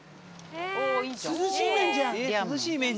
えっ涼しい麺じゃん。